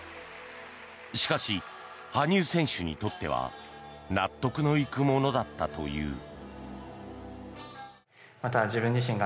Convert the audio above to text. しかし羽生選手にとっては納得のいくものだったという。